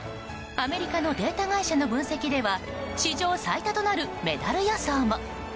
アメリカのデータ会社の分析では史上最多となるメダル予想も。